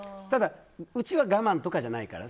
うちは我慢とかじゃないから。